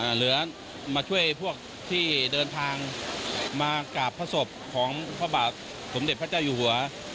เหลือมาช่วยพวกที่เดินทางมากราบพระศพของพระบาทสมเด็จพระเจ้าอยู่หัว